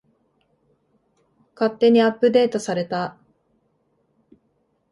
勝手にアップデートされた